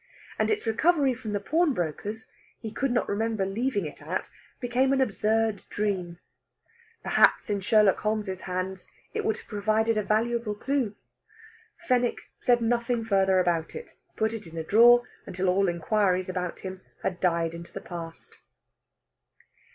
And its recovery from the pawnbroker's he could not remember leaving it at became an absurd dream. Perhaps in Sherlock Holmes's hands it would have provided a valuable clue. Fenwick said nothing further about it; put it in a drawer until all inquiries about him had died into the past.